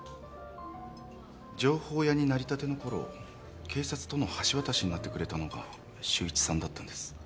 情報屋になりたてのころ警察との橋渡しになってくれたのが修一さんだったんです。